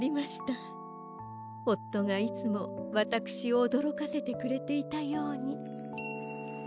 おっとがいつもわたくしをおどろかせてくれていたように。